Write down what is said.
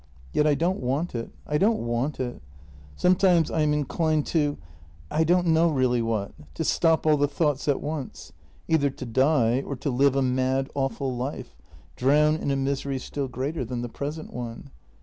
Yet I don't want it — I don't want it. Sometimes I am inclined to — I don't know really what — to stop all the thoughts at once. Either to die — or to live a mad, awful life — drown in a misery still greater than the present one.